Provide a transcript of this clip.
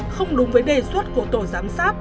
không đúng với đề xuất của tổ giám sát